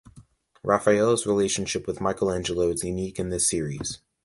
Raphael's relationship with Michelangelo is unique in this series.